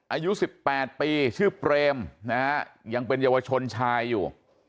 อายุ๑๘ปีชื่อเปรมนะฮะยังเป็นเยาวชนชายอยู่